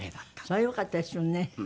それはよかったですよね。